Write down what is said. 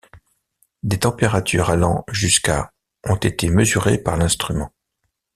Des températures allant jusqu'à ont été mesurées par l'instrument.